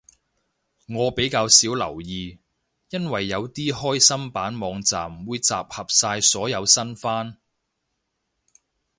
不過我比較少留意，因為有啲開心版網站會集合晒所有新番